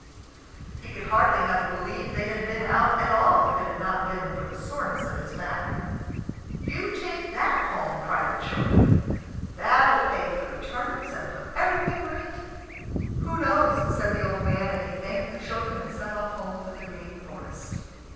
He could hardly have believed they had been out at all if it had not been for the soreness of his back. "You take that home," cried the children. "That'll pay for the turnips, and put everything right." "Who knows?" said the old man; and he thanked the children, and set off home through the green forest.